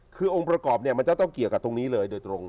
คือองค์ประกอบเนี่ยมันจะต้องเกี่ยวกับตรงนี้เลยโดยตรง